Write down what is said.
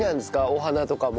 お花とかも。